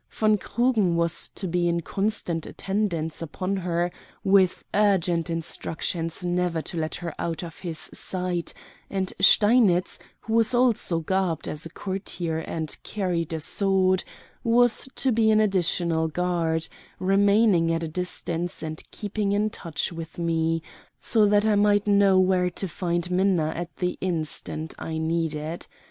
Von Krugen was to be in constant attendance upon her, with urgent instructions never to let her out of his sight; and Steinitz, who was also garbed as a courtier and carried a sword, was to be an additional guard, remaining at a distance and keeping in touch with me, so that I might know where to find Minna at the instant I needed.